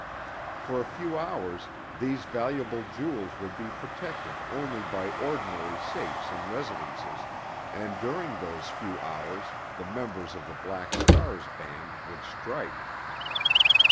For a few hours these valuable jewels would be protected only by ordinary safes in residences, and during those few hours the members of the Black Star's band would strike.